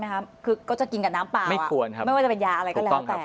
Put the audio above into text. แต่แบบที่เหมือนไหนก็